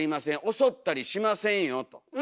襲ったりしませんよと。